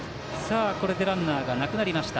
ランナーがなくなりました。